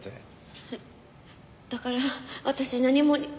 だから私何も。